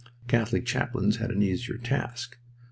Catholic chaplains had an easier task.